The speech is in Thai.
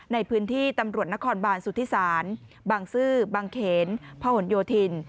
ในพื้นที่ตำรวจนครบานสุธิศาลบางซื่อบางเขนพหนโยธิน